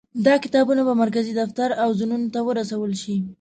دا کتابونه به مرکزي دفتر او زونونو ته واستول شي.